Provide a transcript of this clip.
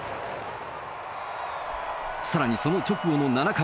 さらにその直後の７回。